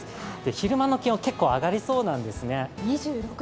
昼間の気温、結構上がりそうなんですね。